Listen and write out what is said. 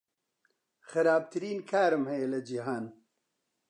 خراپترین کارم هەیە لە جیهان.